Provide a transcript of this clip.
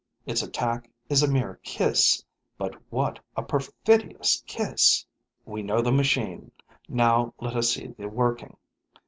Its attack is a mere kiss, but what a perfidious kiss! We know the machine; now let us see the working.